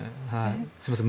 すいません